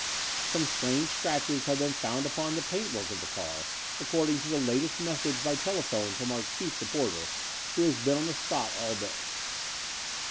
Some strange scratches have been found upon the paint work of the car, according to the latest message by telephone from our chief reporter, who has been on the spot all day.